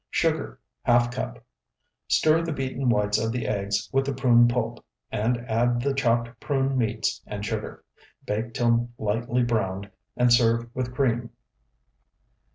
Sugar, ½ cup. Stir the beaten whites of the eggs with the prune pulp, and add the chopped prune meats and sugar. Bake till lightly browned, and serve with cream.